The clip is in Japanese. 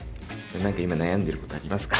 何か今悩んでることありますか？